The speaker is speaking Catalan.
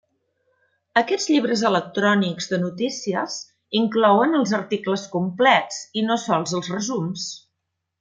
Aquests llibres electrònics de notícies inclouen els articles complets, i no sols els resums.